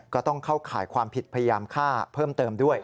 ก็ต้องเข้าข่ายความผิดพยายามฆ่าเพิ่มเติมด้วย